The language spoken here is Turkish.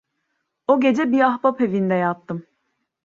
O gece bir ahbap evinde yattım.